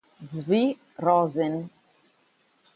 Zvi Rosen